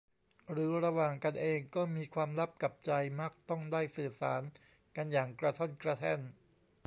หรือระหว่างกันเองก็มีความลับกับใจ มักต้องได้สื่อสารกันอย่างกระท่อนกระแท่น